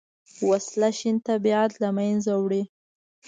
وسله شین طبیعت له منځه وړي